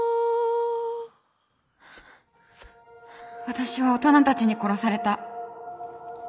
私は大人たちに殺された。